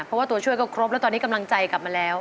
เพราะว่าตัวช่วยก็ครบแล้วตอนนี้กำลังใจกลับมาแล้ว